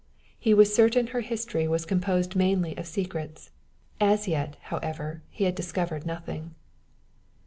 He was certain her history was composed mainly of secrets. As yet, however, he had discovered nothing.